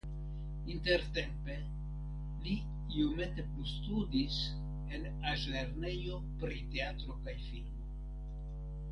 Intertempe li iomete plustudis en Altlernejo pri Teatro kaj Filmo.